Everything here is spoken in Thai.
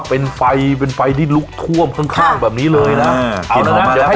เป็นไฟเป็นไฟที่ลุกท่วมข้างข้างแบบนี้เลยนะเอานะเอานะเอา